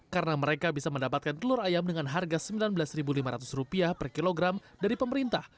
karena mereka bisa mendapatkan telur ayam dengan harga rp sembilan belas lima ratus per kilogram dari pemerintah